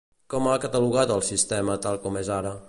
Com ha catalogat al sistema tal com és ara?